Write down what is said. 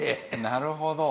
なるほど。